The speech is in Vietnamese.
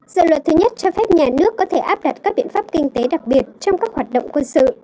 dự luật thứ nhất cho phép nhà nước có thể áp đặt các biện pháp kinh tế đặc biệt trong các hoạt động quân sự